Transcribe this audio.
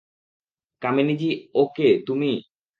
কামিনী জি, ও কে, তুমি?